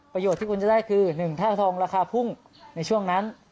ประโยชน์ที่คุณจะได้คือหนึ่งถ้าทองราคาพุ่งในช่วงนั้น